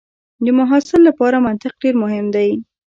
د محصل لپاره منطق ډېر مهم دی.